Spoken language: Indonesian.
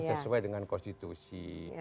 sesuai dengan konstitusi